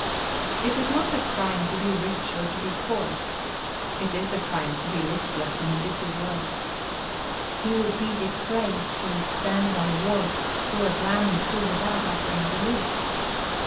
It is not a crime to be rich, or to be poor. It is a crime to be listless in a busy world. He would be disgraced who, standing on a wharf, saw a drowning crew without offering relief.